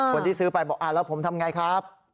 คนที่ซื้อไปบอกแล้วผมทำไงครับ